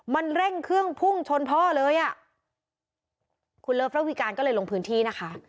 มันเร่งเครื่องพุ่งชนพ่อเลยอ่ะคุณเลิฟระวีการก็เลยลงพื้นที่นะคะ